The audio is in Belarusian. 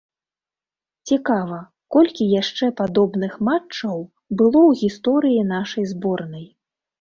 Цікава, колькі яшчэ падобных матчаў было ў гісторыі нашай зборнай?